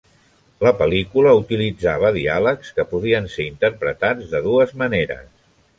La pel·lícula utilitzava diàlegs que podien ser interpretats de dues maneres.